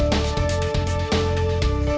gua mau ke sana